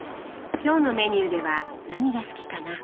今日のメニューでは何が好きかな？